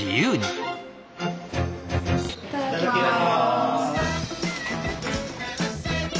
いただきます。